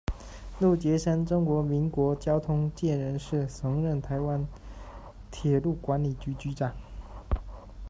鹿洁身，中华民国交通界人士，曾任台湾铁路管理局局长。